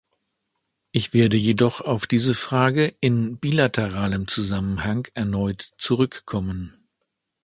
Ich werde jedoch auf diese Frage in bilateralem Zusammenhang erneut zurückkommen.